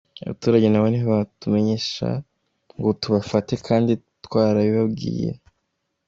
Abaturage nabo ntibatumenyesha ngo tubafate kandi twarabibabwiye.